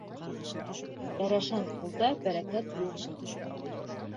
Бәрәшән ҡулда бәрәкәт юҡ.